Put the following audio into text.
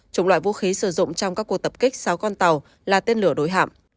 chủng loại vũ khí sử dụng trong các cuộc tập kích sáu con tàu là tên lửa đối hạm